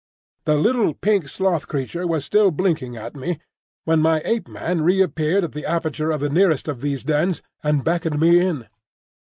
The little pink sloth creature was still blinking at me when my Ape man reappeared at the aperture of the nearest of these dens, and beckoned me in.